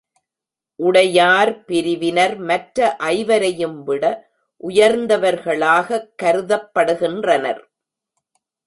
உடையார் பிரிவினர் மற்ற ஐவரையும்விட உயர்ந்தவர்களாகக் கருதப்படுகின்றனர்.